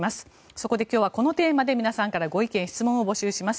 そこで今日はこのテーマで皆さんからご意見・質問を募集します。